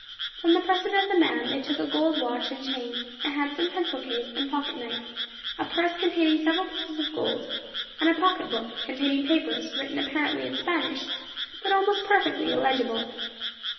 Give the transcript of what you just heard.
From the person of the man they took a gold watch and chain, a handsome pencil case, and pocket knife, a purse containing several pieces of gold, and a pocket book, containing papers, written apparently in Spanish, but almost perfectly illegible.